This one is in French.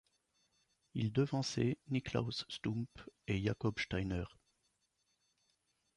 Il devançait Niklaus Stump et Jakob Steiner.